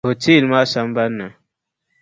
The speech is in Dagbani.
Hotel maa sambani ni.